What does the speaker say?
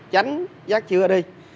tránh rác chưa đi